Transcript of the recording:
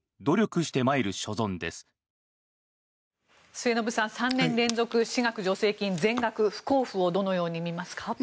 末延さん、３年連続私学助成金全額不交付をどのように見ますか？